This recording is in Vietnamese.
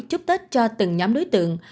chúc tết cho từng nhóm đối tượng